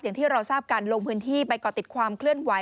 อย่างที่เราทราบกันลงพื้นที่ไปก่อติดความเคลื่อนไหว